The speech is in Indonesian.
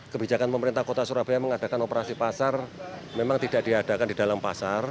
kebijakan pemerintah kota surabaya mengadakan operasi pasar memang tidak diadakan di dalam pasar